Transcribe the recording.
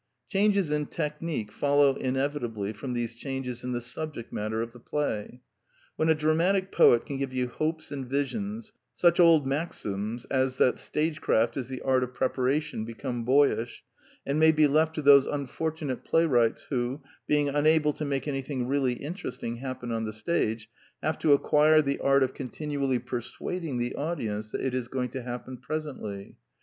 Changes in technique follow inevitably from these changes in the subject matter of the play. When a dramatic poet can give you hopes and visions, such old maxims as that stage craft is the art of preparation become boyish, and may be left to those unfortunate playwrights who, being unable to make anything really interesting happen on the stage, have to acquire the art of continually persuading the audience that it is going to happen presently.